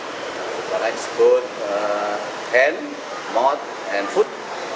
sebagai disebut hand mouth and foot